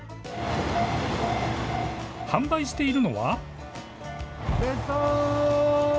販売しているのは？